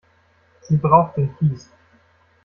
Sie braucht den Kies.